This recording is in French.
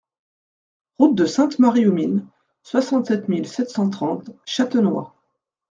Route de Sainte-Marie-aux-Mines, soixante-sept mille sept cent trente Châtenois